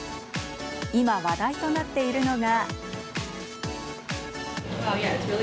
今、話題となっているのが。